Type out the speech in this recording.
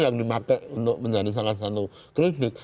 juga karakter yang sama sekali